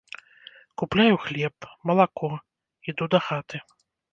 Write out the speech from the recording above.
Купляю хлеб, малако, іду дахаты.